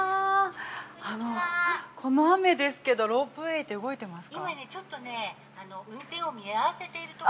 この雨ですけどロープウェイって動いてますか。